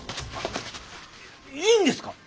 いいんですか？